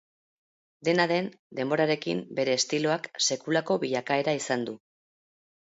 Dena den, denborarekin bere estiloak sekulako bilakaera izan du.